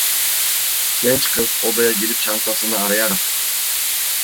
Genç kız odaya girip çantasını arayarak: